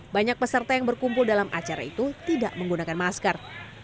banyak peserta yang berkumpul dalam acara itu tidak menggunakan masker